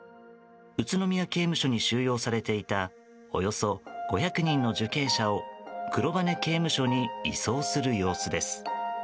宇都宮刑務所に収容されていたおよそ５００人の受刑者を黒羽刑務所に移送する様子です。